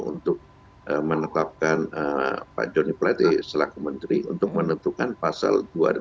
untuk menetapkan pak joni plate selaku menteri untuk menentukan pasal dua